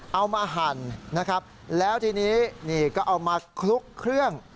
หั่นนะครับแล้วทีนี้นี่ก็เอามาคลุกเครื่อง